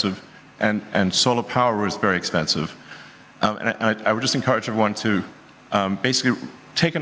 dan anda menemukan itu secara perlahan